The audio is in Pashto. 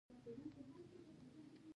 زبېښونکي بنسټونه ورسره له منځه نه ځي.